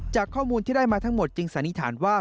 จากข้อมูลที่ได้มาทั้งหมดจึงสันนิษฐานว่า